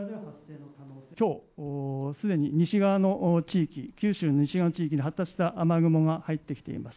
きょう、すでに西側の地域、九州の西側の地域に発達した雨雲が入ってきています。